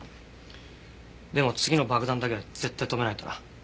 でも次の爆弾だけは絶対止めないとな。